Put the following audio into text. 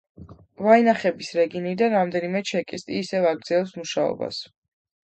ვაინახების რიგებიდან რამდენიმე ჩეკისტი ისევ აგრძელებდა მუშაობას.